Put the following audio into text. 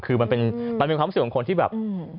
คือมันเป็นมันคือคำสื่อของคนที่แบบ